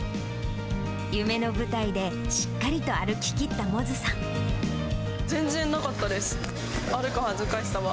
夢の舞台でしっかりと歩きき全然なかったです、歩く恥ずかしさは。